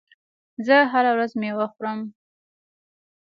زه هره ورځ مېوه خورم.